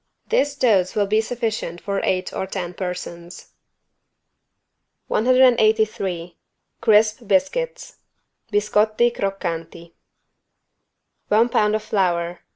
This dose will be sufficient for eight or ten persons. 183 CRISP BISCUITS (Biscotti croccanti) One pound of flour.